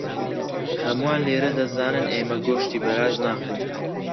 هەمووان لێرە دەزانن ئێمە گۆشتی بەراز ناخۆین.